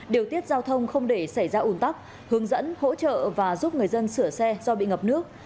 điều tiết giao thông không để xảy ra ủn tắc hướng dẫn hỗ trợ và giúp người dân sửa xe do bị ngập nước